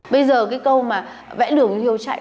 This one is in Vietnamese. bây giờ cái câu mà vẽ đường hiếu chạy